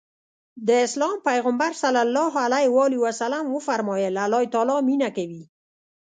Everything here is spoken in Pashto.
د اسلام پيغمبر ص وفرمايل الله تعالی مينه کوي.